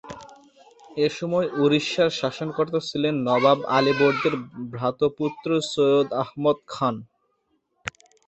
এসময় উড়িষ্যার শাসনকর্তা ছিলেন নবাব আলীবর্দীর ভ্রাতুষ্পুত্র সৈয়দ আহমদ খান।